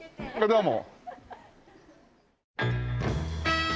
どうも。